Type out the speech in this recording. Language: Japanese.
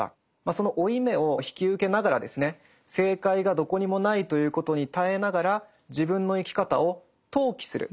その負い目を引き受けながらですね正解がどこにもないということに耐えながら自分の生き方を投企する。